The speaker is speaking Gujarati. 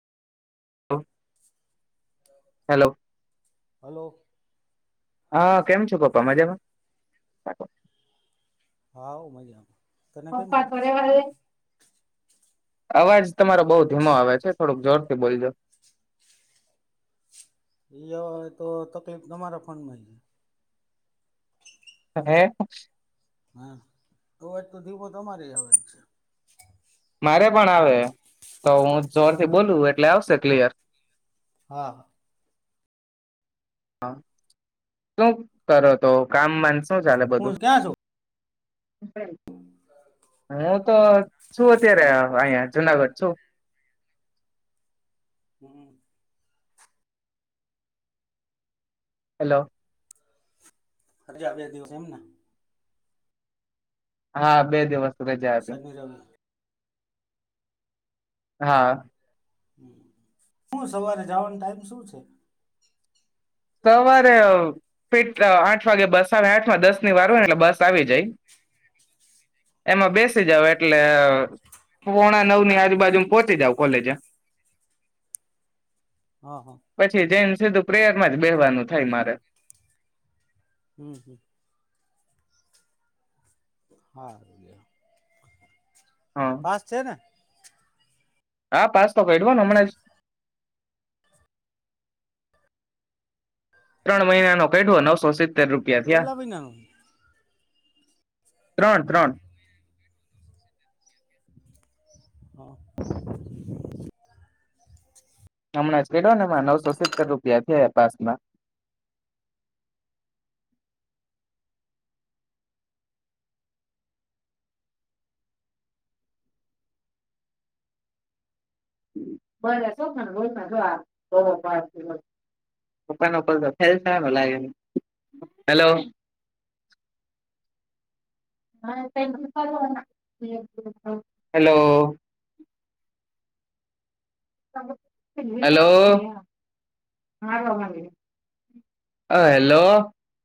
હ હલો હલો, હા કેમ છો, પપ્પા મજામાં હા મજ હમાં પપા તરે વા અવાજ તમારો બઉુ ધીમો આવે છે થોડુંક જોર થી કે બોલી જા એવાય તો તકલીફ તમારા ફોન માં છે હે હા તોજ તો દીપો તમારી આવે જ છે મારે પણ આવે તો હું જોરથી બોલું એટલે આવશે ક્લીયર હા હ હા શું કરો તો કામ માન શું ચાલે હું બધું ક્યાં હું તો શું અત્યારે છું અહં જુનાગઢ સો હમ હેલો હરેજ આવ્યા દિવસ એમને હા બે દિવસ રજા હતી સનીરમ હા હું સવારે જવાનો ટાઈમ શું છે સવારેે આઠ વાગે બસ સાડા આઠ માં દસ ની વાર હોય ને એટલે બસ આવી જાય એમાં બેસી જાાવ એટલે પોણા નવની આજુબાજુ પોહોંચી જાાવ કોલેજ હા હા પછી જેમ સીધું પ્રેયર એમાં જ બેવાનું થાય મારે હમ હમ હ હા પાસ છે ને હા પાસ તો કઢો હમણાં ત્રણ મહિના નો કઢવો નવસો સર કટલા મહિનાનું ત્રણ ત્રણ હા હમણાં કેોને એ નવસો સતર રૂપિયા થયા પાસમાં બખ જો લાગે હલો હેલો હલો હ હેલો